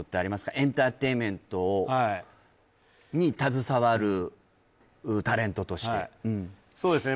エンターテインメントをはいに携わるタレントとしてはいそうですね